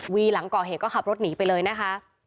หลังก่อเหตุก็ขับรถหนีไปเลยนะคะ